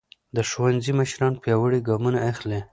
د ښوونځي مشران پیاوړي ګامونه اخلي.